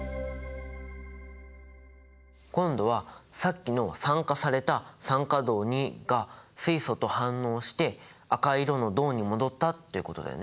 今度はさっきの酸化された酸化銅が水素と反応して赤い色の銅に戻ったっていうことだよね。